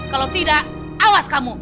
kalau tidak awas kamu